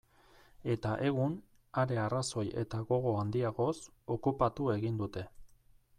Eta egun, are arrazoi eta gogo handiagoz, okupatu egin dute.